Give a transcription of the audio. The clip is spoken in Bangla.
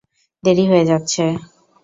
দেরি হয়ে যাচ্ছে!